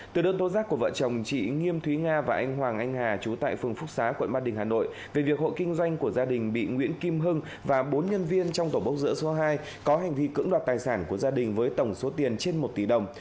từ đơn tố giác của vợ chồng chị nghiêm thúy nga và anh hoàng anh hà chú tại phường phúc xá quận ba đình hà nội về việc hộ kinh doanh của gia đình bị nguyễn kim hưng và bốn nhân viên trong tổ bốc dỡ số hai có hành vi cưỡng đoạt tài sản của gia đình với tổng số tiền trên một tỷ đồng